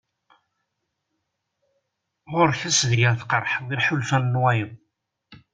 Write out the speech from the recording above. Ɣur-k ass deg ara tqeṛḥeḍ iḥulfan n wayeḍ.